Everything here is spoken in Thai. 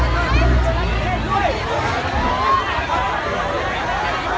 ก็ไม่มีเวลาให้กลับมาเท่าไหร่